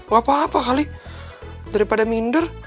gak apa apa kali daripada minder